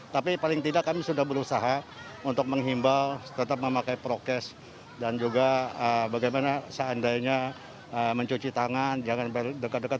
tapi paling tidak kami sudah berusaha untuk menghimbau tetap memakai prokes dan juga bagaimana seandainya mencuci tangan jangan berdekat dekat